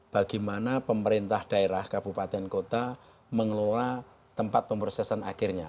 bagaimana pemerintah daerah kabupaten kota mengelola tempat pemrosesan akhirnya